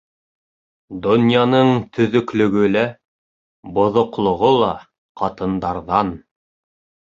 Донъяның төҙөклөгө лә, боҙоҡлоғо ла ҡатындарҙан.